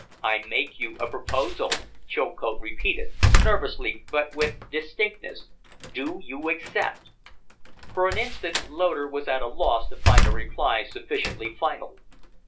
"I make you a proposal," Chilcote repeated, nervously but with distinctness. "Do you accept?" For an instant Loder was at a loss to find a reply sufficiently final.